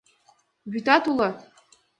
Вӱтат уло?